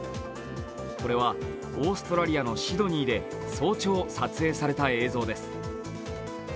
これはオーストラリアのシドニーで早朝撮影された映像です。